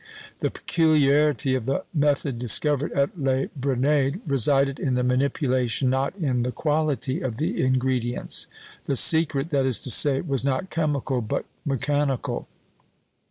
The peculiarity of the method discovered at Les Brenets resided in the manipulation, not in the quality of the ingredients; the secret, that is to say, was not chemical, but mechanical.